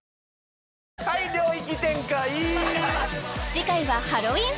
次回はハロウィン